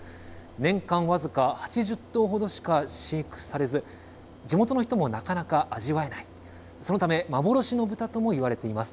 年間僅か８０頭ほどしか飼育されず、地元の人もなかなか味わえない、そのため、幻の豚ともいわれています。